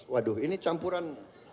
waduh ini campuran